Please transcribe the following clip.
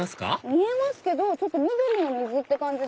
見えますけど緑の水って感じで。